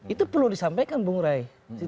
itu perlu disampaikan bung rai